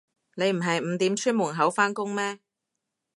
你唔係五點出門口返工咩